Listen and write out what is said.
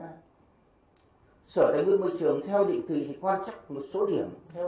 ví dụ bán phủ lễ sang thì nó quan trọng ở trong khu vực người ta